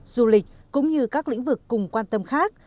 du lịch cũng như các lĩnh vực cùng quan tâm khác